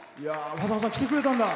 わざわざ来てくれたんだ。